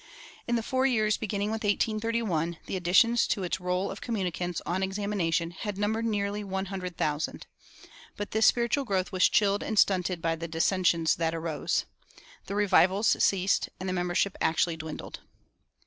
In the four years beginning with 1831 the additions to its roll of communicants "on examination" had numbered nearly one hundred thousand. But this spiritual growth was chilled and stunted by the dissensions that arose. The revivals ceased and the membership actually dwindled.